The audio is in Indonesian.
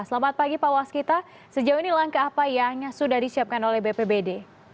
selamat pagi pak waskita sejauh ini langkah apa yang sudah disiapkan oleh bpbd